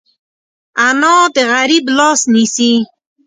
انا د غریب لاس نیسي